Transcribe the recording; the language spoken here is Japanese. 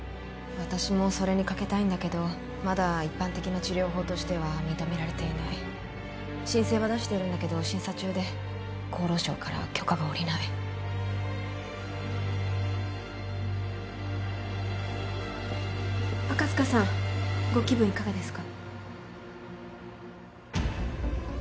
私もそれに賭けたいんだけどまだ一般的な治療法としては認められていない申請は出しているんだけど審査中で厚労省から許可が下りない赤塚さんご気分いかがですか？